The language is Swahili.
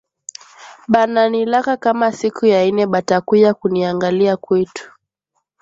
Bana nilaka kama siku ya ine batakuya kuniangalia kwetu